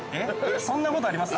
◆そんなことあります？